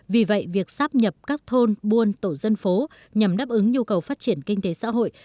vì vậy việc sắp nhập các thôn buôn tổ dân phố nhằm đáp ứng nhu cầu phát triển kinh tế xã hội